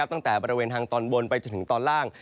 ตั้งแต่บริเวณทางตอนบนไปจนถึงตอนล่าง